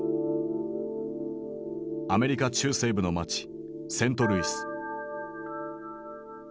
アメリカ中西部の街セントルイス。